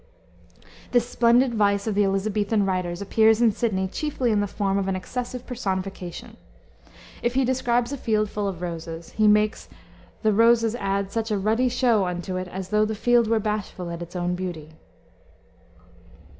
This splendid vice of the Elisabethan writers appears in Sidney, chiefly in the form of an excessive personification. If he describes a field full of roses, he makes "the roses add such a ruddy show unto it, as though the field were bashful at his own beauty."